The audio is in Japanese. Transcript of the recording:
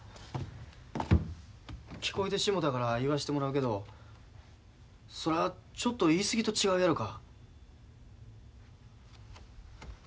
聞こえてしもたから言わしてもらうけどそれはちょっと言い過ぎと違うやろか。